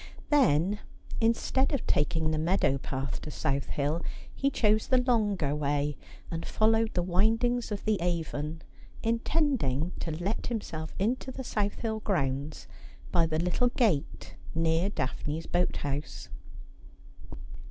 Then, in stead of taking the meadow path to South Hill, he chose the longer way, and followed the windings of the Avon, intending to let himself into the South Hill grounds by the little gate near Daphne's boat house.